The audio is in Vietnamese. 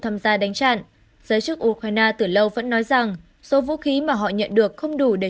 tham gia đánh chặn giới chức ukraine từ lâu vẫn nói rằng số vũ khí mà họ nhận được không đủ để